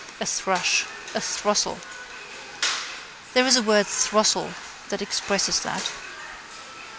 A thrush. A throstle. There is a word throstle that expresses that.